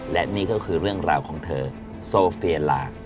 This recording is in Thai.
และนี่ก็คือเรื่องราวของเธอโซเฟียลา